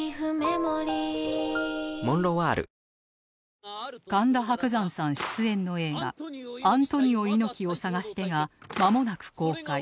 睡眠サポート「グリナ」神田伯山さん出演の映画『アントニオ猪木をさがして』がまもなく公開